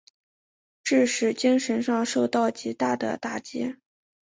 致使精神上受到极大的打击。